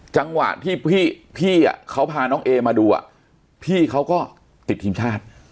จังหวะที่พี่เขาพาน้องเอมาดูพี่เขาก็ติดทีมชาติ